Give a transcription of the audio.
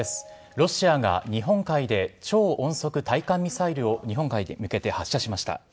ロシアが日本海で超音速対艦ミサイルを日本海に向けて発射しました。